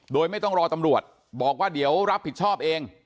โดยไม่ต้องรอตำรวจบอกว่าเดี๋ยวรับผิดชอบเอง